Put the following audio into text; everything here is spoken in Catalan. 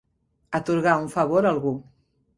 Atorgar un favor a algú.